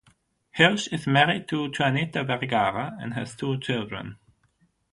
Hirsch is married to Juanita Vergara and has two children.